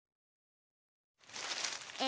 え？